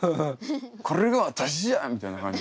「これが私じゃ！」みたいな感じ。